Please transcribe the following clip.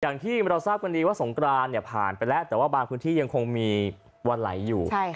อย่างที่เราทราบกันดีว่าสงกรานเนี่ยผ่านไปแล้วแต่ว่าบางพื้นที่ยังคงมีวันไหลอยู่